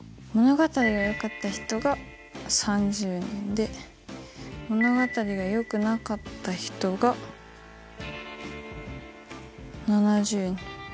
物語がよかった人が３０人で物語がよくなかった人が７０人。